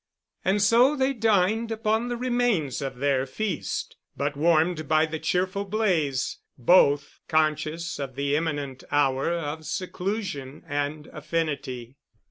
And so they dined upon the remains of their feast, but warmed by the cheerful blaze, both conscious of the imminent hour of seclusion and affinity.